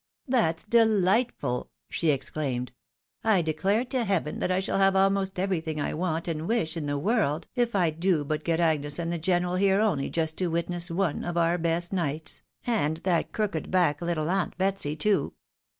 " That's delightful !" she exclaimed ;" I declare to heaven that I shall have almost everything I want and wish in the world, if I do but get Agnes and the general here only just to witness one of our best nights ! and that crooked back, little aunt Betsy too